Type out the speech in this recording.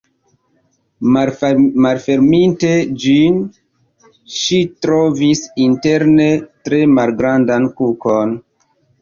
Malferminte ĝin, ŝi trovis interne tre malgrandan kukon.